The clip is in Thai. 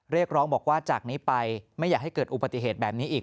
เรียกร้องบอกว่าจากนี้ไปไม่อยากให้เกิดอุบัติเหตุแบบนี้อีก